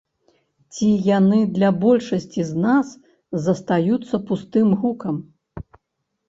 Ці яны для большасці з нас застаюцца пустым гукам?